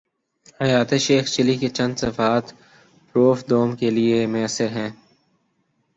حیات شیخ چلی کے چند صفحات پروف دوم کے لیے میسر ہیں۔